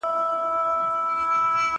د خوښۍ نوی نهال وو